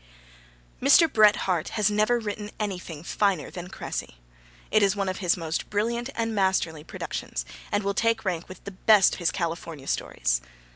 Mr. Bret Harte has never written anything finer than Cressy. It is one of his most brilliant and masterly productions, and will take rank with the best of his Californian stories.